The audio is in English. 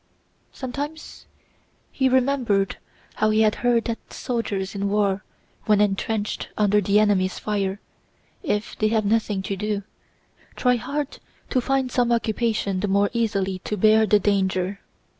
Sometimes he remembered how he had heard that soldiers in war when entrenched under the enemy's fire, if they have nothing to do, try hard to find some occupation the more easily to bear the danger.